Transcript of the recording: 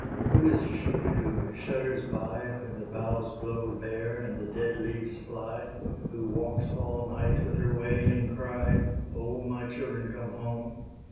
Who is she who shudders by When the boughs blow bare and the dead leaves fly? Who walks all night with her wailing cry, "O, my children, come home!"